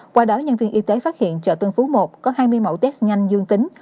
qua đó nhân viên y tế phát hiện chợ tân phú một có hai mươi mẫu test nhanh dương tính